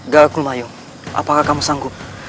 galkul mayu apakah kamu sanggup